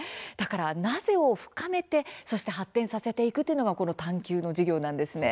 「なぜ？」を深めて発展させていくというのが「探究」の授業なんですね。